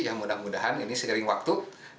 yang mudah mudahan ini seiring waktu